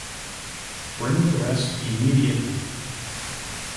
Bring the rest immediately.